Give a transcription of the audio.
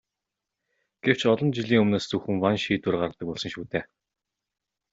Гэвч олон жилийн өмнөөс зөвхөн ван шийдвэр гаргадаг болсон шүү дээ.